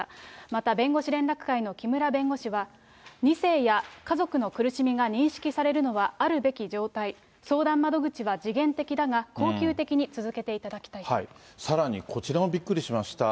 また弁護士連絡会の木村弁護士は、２世や家族の苦しみが認識されるのはあるべき状態、相談窓口は時限的だが、さらにこちらもびっくりしました。